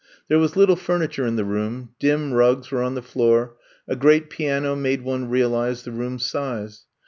There was little furniture in the room, dim rugs were on the floor, a great piano made one realize the room's size.